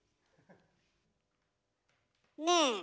ねえ。